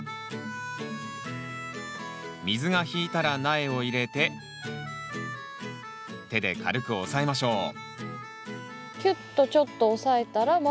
水が引いたら苗を入れて手で軽く押さえましょうキュッとちょっと押さえたら周りを。